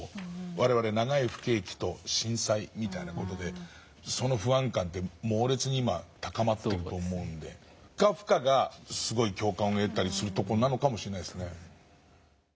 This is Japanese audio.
我々長い不景気と震災みたいな事でその不安感は猛烈に今高まってると思うのでカフカがすごい共感を得たりするところなのかもしれないですね。